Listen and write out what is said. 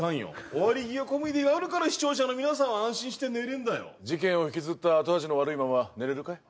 終わり際コメディーがあるから視聴者の皆さんは安心して寝れる事件を引きずった後味の悪いまま寝れるかい？